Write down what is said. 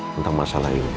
tentang masalah ini